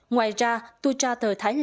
ngoài ra tour tra thờ thái quốc